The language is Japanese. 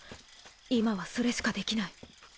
今はそれしかできない。